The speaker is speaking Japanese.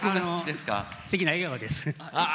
すてきな笑顔です。